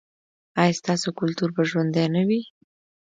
ایا ستاسو کلتور به ژوندی نه وي؟